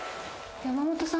山本さん。